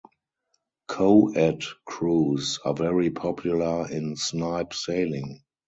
Co-ed crews are very popular in Snipe sailing.